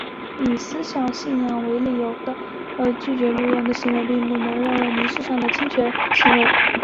以思想信仰为理由而拒绝录用的行为并不能直接认定为民法上的侵权行为。